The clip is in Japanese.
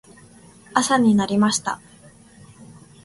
朝になりました。